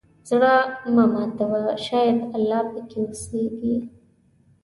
زړه مه ماتوه، شاید الله پکې اوسېږي.